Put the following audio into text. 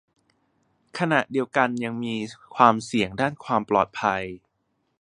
ขณะเดียวกันยังมีความเสี่ยงด้านความปลอดภัย